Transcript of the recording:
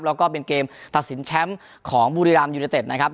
แล้วก็เป็นเกมตัดสินแชมป์ของบุรีรามยูเนเต็ดนะครับ